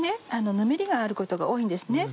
ぬめりがあることが多いんですね。